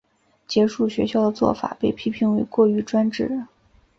结束学校的做法被批评为过于专制。